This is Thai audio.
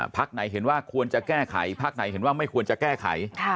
พักไหนเห็นว่าควรจะแก้ไขพักไหนเห็นว่าไม่ควรจะแก้ไข